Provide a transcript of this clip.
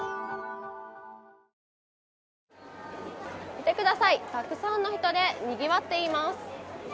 見てください、たくさんの人でにぎわっています。